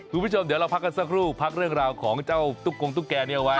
คุณผู้ชมเดี๋ยวเราพักกันสักครู่พักเรื่องราวของเจ้าตุ๊กกงตุ๊กแกเนี่ยไว้